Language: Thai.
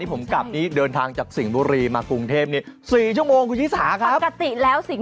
เป็นชาวเน็ตนิดหนึ่ง